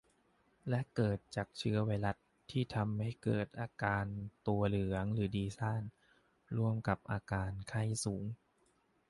และเกิดจากเชื้อไวรัส ที่ทำให้เกิดอาการตัวเหลืองหรือดีซ่าน ร่วมกับอาการไข้สูง